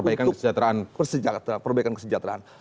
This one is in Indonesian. untuk perbaikan kesejahteraan